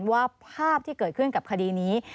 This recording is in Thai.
ว่าภาพที่เกิดขึ้นกับคดีนี้